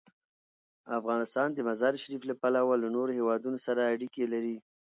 افغانستان د مزارشریف له پلوه له نورو هېوادونو سره اړیکې لري.